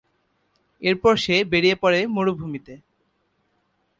এরপর সে বেরিয়ে পড়ে মরুভূমিতে।